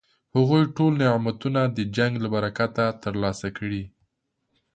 هغوی ټول نعمتونه د جنګ له برکته ترلاسه کړي.